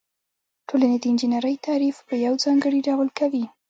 ټولنې د انجنیری تعریف په یو ځانګړي ډول کوي.